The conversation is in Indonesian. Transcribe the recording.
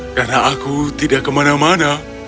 karena aku tidak kemana mana